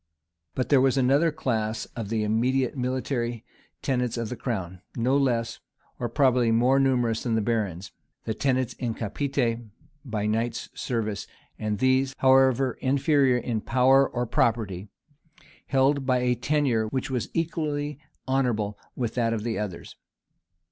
But there was another class of the immediate military tenants of the crown, no less, or probably more numerous than the barons, the tenants in capite by knights' service and these, however inferior in power or property, held by a tenure which was equally honorable with that of the others.